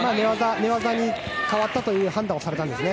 寝技に変わったという判断をされたんですね。